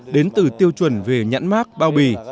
đến từ tiêu chuẩn về nhãn mát bao bì